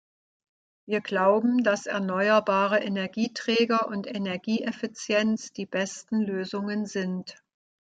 Wir glauben, dass erneuerbare Energieträger und Energieeffizienz die besten Lösungen sind.